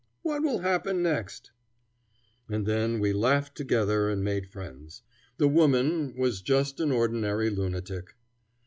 What will happen next?" And then we laughed together and made friends. The woman was just an ordinary lunatic.